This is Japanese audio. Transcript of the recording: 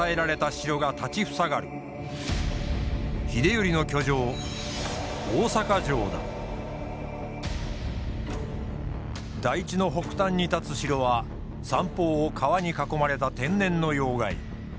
秀頼の居城台地の北端に立つ城は三方を川に囲まれた天然の要害。